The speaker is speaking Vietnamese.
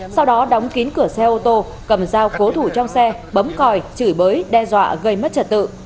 sau đó đóng kín cửa xe ô tô cầm dao cố thủ trong xe bấm còi chửi bới đe dọa gây mất trật tự